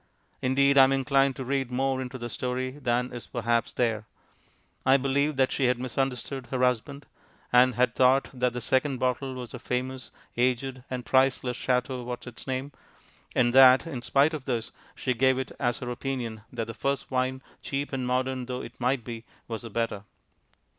Indeed, I am inclined to read more into the story than is perhaps there; I believe that she had misunderstood her husband, and had thought that the second bottle was the famous, aged, and priceless Chateau Whatsitsname, and that, in spite of this, she gave it as her opinion that the first wine, cheap and modern though it might be, was the better.